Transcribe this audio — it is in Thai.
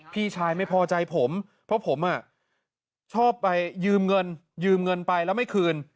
พี่ชายไม่พอใจผมเพราะผมชอบไปยืมเงินยืมเงินไปแล้วไม่คืน